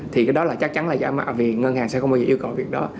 thì cái đó là chắc chắn là vì ngân hàng sẽ không bao giờ yêu cầu việc đó